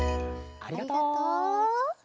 ありがとう。